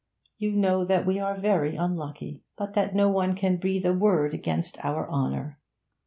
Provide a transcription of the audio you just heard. You know that we are very unlucky, but that no one can breathe a word against our honour.